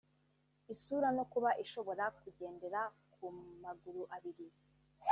isura no kuba ishobora kugendera ku maguru abiri